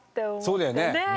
そうだよね。